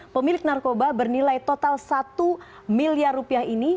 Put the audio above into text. pemilik narkoba bernilai total satu miliar rupiah ini